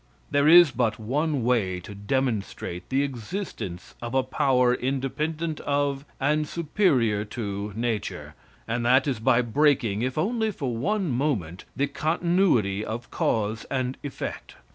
There is but one way to demonstrate the existence of a power independent of and superior to nature, and that is by breaking, if only for one moment, the continuity of cause and effect.